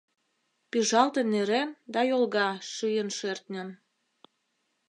Пӱжалтын нӧрен да йолга шийын-шӧртньын.